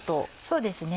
そうですね